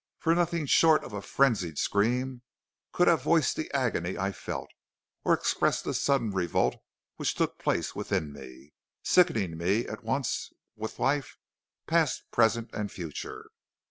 For nothing short of a frenzied scream could have voiced the agony I felt, or expressed the sudden revolt which took place within me, sickening me at once with life, past, present, and future.